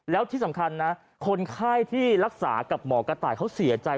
แล้วที่สำคัญนะคนไข้ที่รักษากับหมอกระต่ายเขาเสียใจ